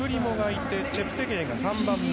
チェプテゲイ、３番目。